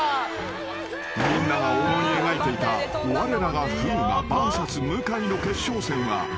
［みんなが思い描いていたわれらが風磨ｖｓ向井の決勝戦は夢と消えた］